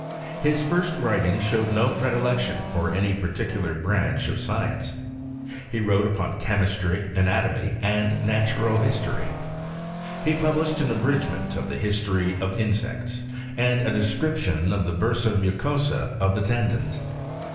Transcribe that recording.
His first writings showed no predilection for any particular branch of science. He wrote upon chemistry, anatomy, and natural history. He published an Abridg ment of the History of Insects, and a Descrip tion of the Bursie Mticosffi of the Tendons.